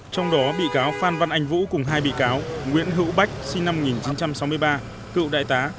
trong đó bị cáo phan văn anh vũ cùng hai bị cáo nguyễn hữu bách sinh năm một nghìn chín trăm sáu mươi ba cựu đại tá